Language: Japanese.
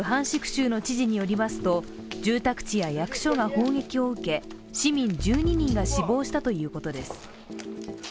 州の知事によりますと住宅地や役所が砲撃を受け市民１２人が死亡したということです。